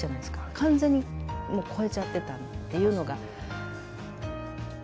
完全に超えちゃってたっていうのが。